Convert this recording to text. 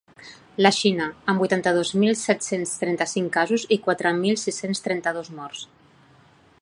La Xina, amb vuitanta-dos mil set-cents trenta-cinc casos i quatre mil sis-cents trenta-dos morts.